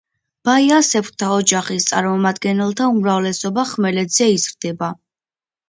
ბაიასებრთა ოჯახის წარმომადგენელთა უმრავლესობა ხმელეთზე იზრდება.